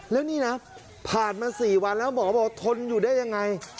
แล้วนี่นะผ่านมา๔วันแล้วหมอบอกทนอยู่ได้ยังไง